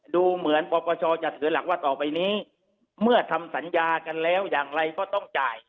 ดูเหมือนปปชจะถือหลักว่าต่อไปนี้เมื่อทำสัญญากันแล้วอย่างไรก็ต้องจ่าย